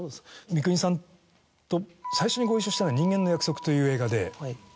三國さんと最初にご一緒したのは『人間の約束』という映画で。